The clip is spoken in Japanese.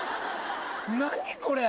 何これ？